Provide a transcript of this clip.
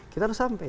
kita harus sampai